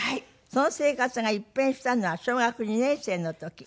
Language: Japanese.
その生活が一変したのは小学２年生の時。